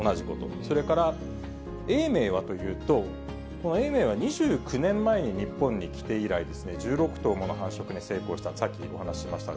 それから永明はというと、この永明は２９年前に日本に来て以来、１６頭もの繁殖に成功した、さっきお話ししましたが。